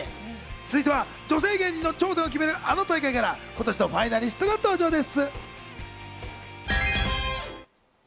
続いては女性芸人の頂点を決める、あの大会から今年のファイナリストが登場です。